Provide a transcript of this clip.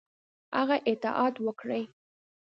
هغه اطاعت وکړي.